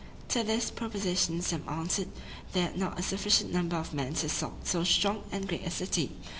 To this proposition some answered, they had not a sufficient number of men to assault so strong and great a city.